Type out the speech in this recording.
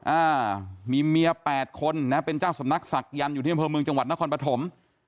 อ่ามีเมียแปดคนนะเป็นเจ้าสำนักศักยันต์อยู่ที่อำเภอเมืองจังหวัดนครปฐม